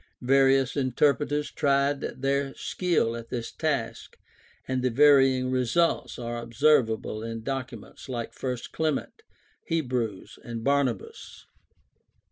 Various interpreters tried their skill at this task and the varying results are observable in docu ments like I Clement, Hebrews, and Barnabas.